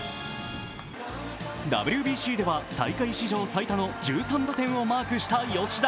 ＷＢＣでは大会史上最多の１３打点をマークした吉田。